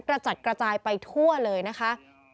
กระจัดกระจายไปทั่วเลยนะคะ